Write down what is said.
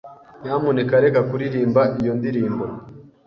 Nyamuneka reka kuririmba iyo ndirimbo.